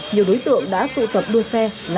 nhiều đối tượng đã tụ tập đua xe